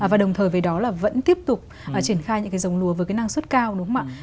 và đồng thời với đó là vẫn tiếp tục triển khai những cái dòng lúa với cái năng suất cao đúng không ạ